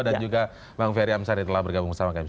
dan juga bang ferry amsari telah bergabung bersama kami